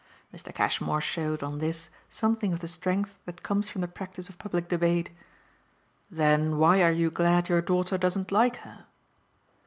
Mr. Cashmore showed, on this, something of the strength that comes from the practice of public debate. "Then why are you glad your daughter doesn't like her?"